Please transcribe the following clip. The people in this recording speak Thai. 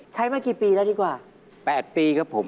มากี่ปีแล้วดีกว่า๘ปีครับผม